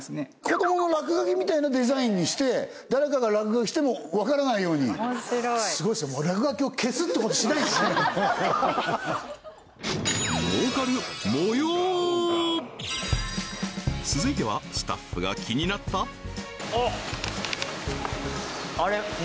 子供の落書きみたいなデザインにして誰かが落書きしてもわからないようにスゴいっすね落書きを消すってことしないんすね続いてはスタッフが気になったあっ！